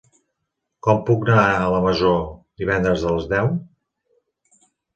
Com puc anar a la Masó divendres a les deu?